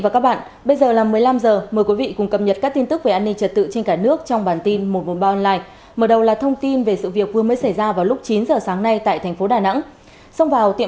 cảm ơn các bạn đã theo dõi